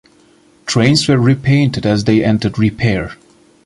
Trains were repainted as they entered repair.